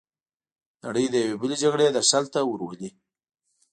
نړۍ د یوې بلې جګړې درشل ته ورولي.